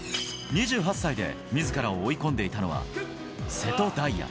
２８歳でみずからを追い込んでいたのは、瀬戸大也。